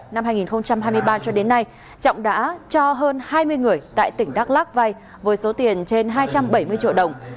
năm hai nghìn hai mươi ba cho đến nay trọng đã cho hơn hai mươi người tại tỉnh đắk lắc vay với số tiền trên hai trăm bảy mươi triệu đồng